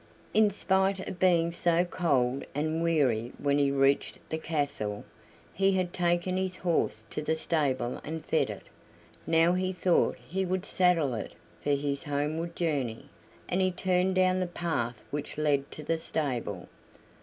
In spite of being so cold and weary when he reached the castle, he had taken his horse to the stable and fed it. Now he thought he would saddle it for his homeward journey, and he turned down the path which led to the stable.